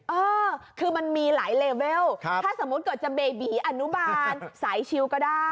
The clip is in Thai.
เออคือมันมีหลายเลเวลถ้าสมมุติเกิดจะเบบีอนุบาลสายชิวก็ได้